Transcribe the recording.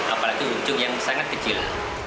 apalagi ujung yang sangat kecil